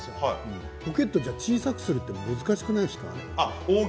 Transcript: ポケットを小さくするのって難しくないですか。